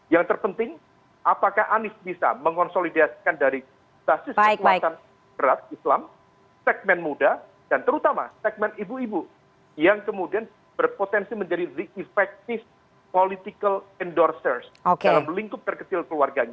yang terpenting apakah anies bisa mengonsolidasikan dari basis kekuatan berat islam segmen muda dan terutama segmen ibu ibu yang kemudian berpotensi menjadi refective political endorser dalam lingkup terkecil keluarganya